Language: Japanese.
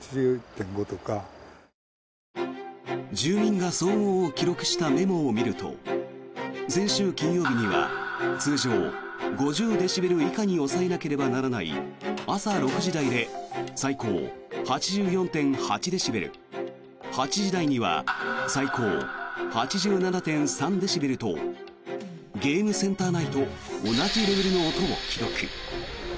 住民が騒音を記録したメモを見ると先週金曜日には通常５０デシベル以下に抑えなければならない朝６時台で最高８４．８デシベル８時台には最高８７．３デシベルとゲームセンター内と同じレベルの音を記録。